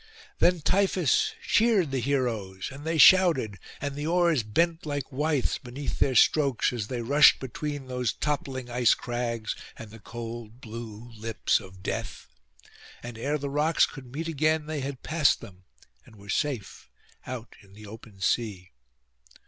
Then Tiphys cheered the heroes, and they shouted; and the oars bent like withes beneath their strokes as they rushed between those toppling ice crags and the cold blue lips of death. And ere the rocks could meet again they had passed them, and were safe out in the open sea.